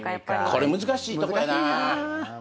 これ難しいとこやな。